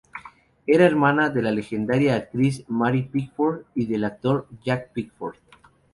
Era hermana de la legendaria actriz Mary Pickford y del actor Jack Pickford.